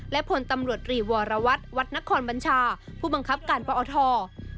และผลตำรวจรีวรวรวัตน์วัดนครบัญชาผู้บังคับการประอทอธิภาพ